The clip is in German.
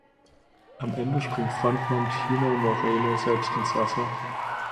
Am Ende springt Frontmann Chino Moreno selbst ins Wasser.